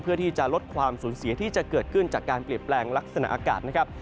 เพื่อที่จะลดความสูญเสียที่จะเกิดขึ้นจากการเปลี่ยนแปลงลักษณะอากาศนะครับ